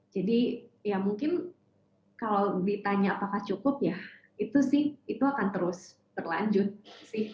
jadi ya mungkin kalau ditanya apakah cukup ya itu sih itu akan terus berlanjut sih